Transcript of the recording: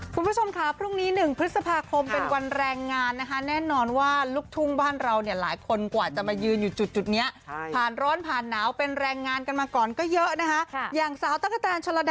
คุณผู้ชมค่ะพรุ่งนี้๑พฤษภาคมเป็นวันแรงงานนะคะแน่นอนว่าลูกทุ่งบ้านเราเนี่ยหลายคนกว่าจะมายืนอยู่จุดนี้ผ่านร้อนผ่านหนาวเป็นแรงงานกันมาก่อนก็เยอะนะคะ